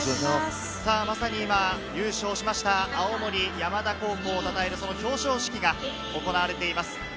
まさに今優勝しました、青森山田高校をたたえる表彰式が行われています。